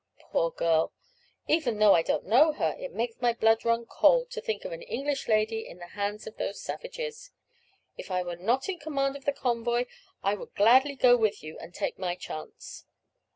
Poor girl! Even though I don't know her, it makes my blood run cold to think of an English lady in the hands of those savages. If I were not in command of the convoy, I would gladly go with you and take my chance."